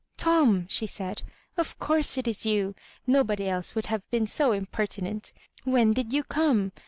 " Tom I " she said, " of course it is you ; no body else would have been so impertinent. When did you come?